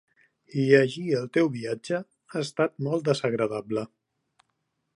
Llegir el teu viatge ha estat molt desagradable.